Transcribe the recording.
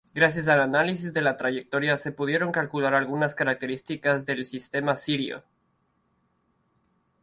Gracias al análisis de la trayectoria se pudieron calcular algunas características del sistema Sirio.